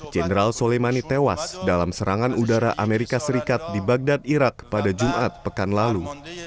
jenderal soleimani tewas dalam serangan udara amerika serikat di bagdad irak pada jumat pekan lalu